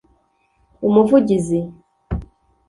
//umuvugizi